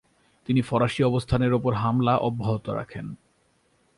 তিনি ফরাসি অবস্থানের উপর হামলা অব্যাহত রাখেন।